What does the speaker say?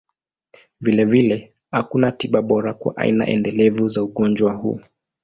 Vilevile, hakuna tiba bora kwa aina endelevu za ugonjwa huu.